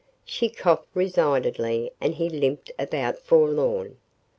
She coughed resignedly and he limped about, forlorn.